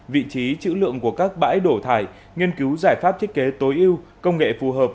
vị trí chữ lượng của các bãi đổ thải nghiên cứu giải pháp thiết kế tối ưu công nghệ phù hợp